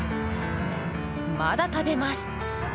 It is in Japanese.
まだ食べます！